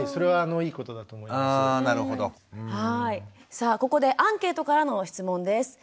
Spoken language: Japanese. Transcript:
さあここでアンケートからの質問です。